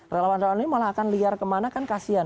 relawan relawan ini malah akan liar kemana kan kasian